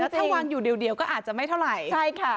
ถ้าวางอยู่เดียวก็อาจจะไม่เท่าไหร่ใช่ค่ะ